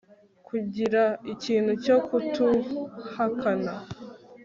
Kugira ikintu cyo kutuhakana